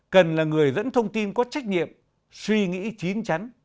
cần là người dẫn thông tin có trách nhiệm suy nghĩ chín chắn